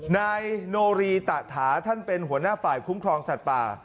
นายโนรีตะถาท่านเป็นหัวหน้าฝ่ายคุ้มครองสัตว์ป่า